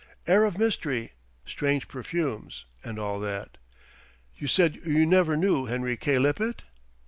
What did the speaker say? Air of mystery, strange perfumes, and all that. You said you never knew Henry K. Lippett?"